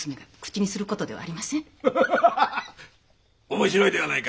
面白いではないか。